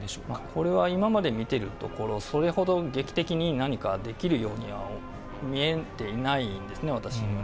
これは今まで見てるところ、それほど劇的に何かできるようには見えていないですね、私には。